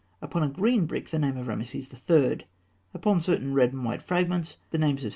upon a green brick, the name of Rameses III.; upon certain red and white fragments, the names of Seti I.